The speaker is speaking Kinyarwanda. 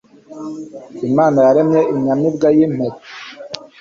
Imana yaremye inyamibwa y' Impeta